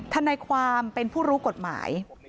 ทนายความเป็นผู้รู้กฎหมาย